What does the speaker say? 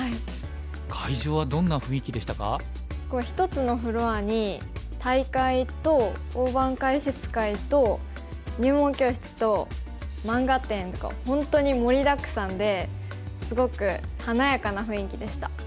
１つのフロアに大会と大盤解説会と入門教室と漫画展と本当に盛りだくさんですごく華やかな雰囲気でした。